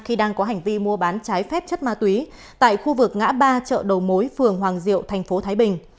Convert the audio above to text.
khi đang có hành vi mua bán trái phép chất ma túy tại khu vực ngã ba chợ đầu mối phường hoàng diệu thành phố thái bình